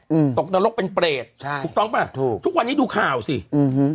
อืมตกนรกเป็นเปรตใช่ถูกต้องป่ะถูกทุกวันนี้ดูข่าวสิอืม